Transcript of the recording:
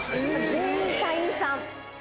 全員社員さん。